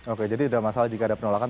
oke jadi tidak masalah jika ada penolakan